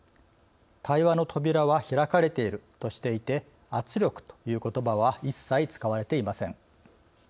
対話の扉は開かれているとしていて圧力ということばは一切使われていません。